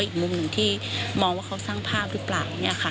อีกมุมหนึ่งที่มองว่าเขาสร้างภาพหรือเปล่า